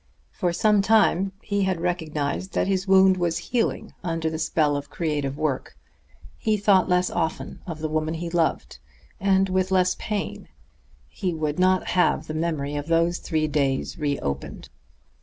For some time he had recognized that his wound was healing under the spell of creative work; he thought less often of the woman he loved, and with less pain. He would not have the memory of those three days re opened.